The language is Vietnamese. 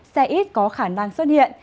sẽ ít có khả năng xuất hiện